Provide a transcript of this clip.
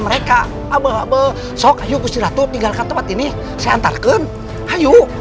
mereka abe abe sok ayo gusti ratu tinggalkan tempat ini saya antarkan ayo